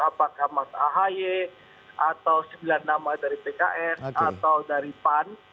apakah mas ahaye atau sembilan nama dari pks atau dari pan